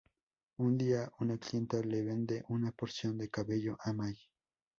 Un día, una clienta le vende una porción de cabello a May.